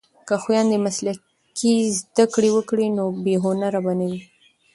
که خویندې مسلکي زده کړې وکړي نو بې هنره به نه وي.